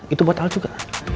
itu buat al juga